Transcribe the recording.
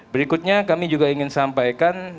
berikutnya kami juga ingin sampaikan